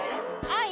はい。